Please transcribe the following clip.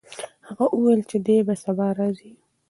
هغه وویل چې دی به سبا راځي.